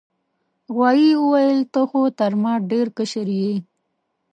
غوايي وویل ته خو تر ما ډیر کشر یې.